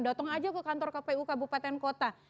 datang aja ke kantor kpu kabupaten kota